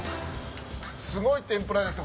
すごい天ぷらですね